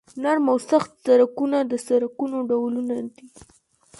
نرم او سخت سرکونه د سرکونو ډولونه دي